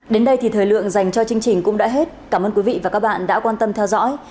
đến đây thì thời lượng dành cho chương trình cũng đã hết cảm ơn quý vị và các bạn đã quan tâm theo dõi